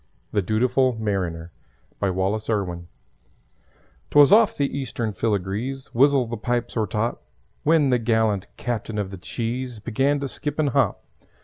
THE DUTIFUL MARINER BY WALLACE IRWIN 'Twas off the Eastern Filigrees Wizzle the pipes o'ertop! When the gallant Captain of the Cheese Began to skip and hop.